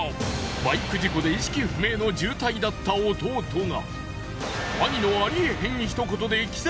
バイク事故で意識不明の重体だった弟が。